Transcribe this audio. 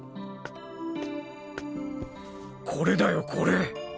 これだよこれ。